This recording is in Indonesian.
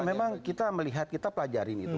memang kita melihat kita pelajarin itu